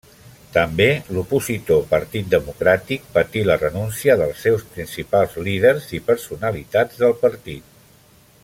També l'opositor Partit Democràtic patí la renúncia dels seus principals líders i personalitats del partit.